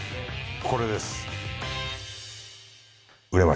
これです。